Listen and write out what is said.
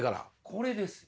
これです。